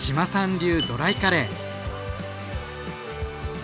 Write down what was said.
流ドライカレー。